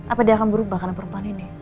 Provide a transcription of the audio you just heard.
apa dia akan berubah karena perempuan ini